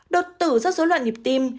đột tử rất số loại nhịp tim